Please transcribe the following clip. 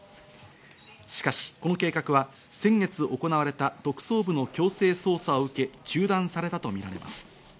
しかし、この計画は先月行われた特捜部の強制捜査を受け、中断されたとみられます。